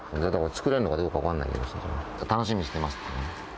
作れんのかどうか分かんないけどさ、楽しみにしてます。